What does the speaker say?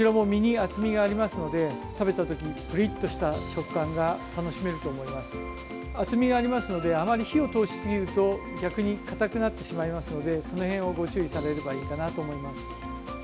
厚みがありますのであまり火を通しすぎると逆にかたくなってしまいますのでその辺は注意されるといいかなと思います。